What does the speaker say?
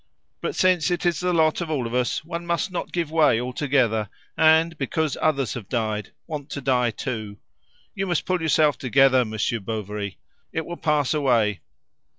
But since it is the lot of all of us, one must not give way altogether, and, because others have died, want to die too. You must pull yourself together, Monsieur Bovary. It will pass away.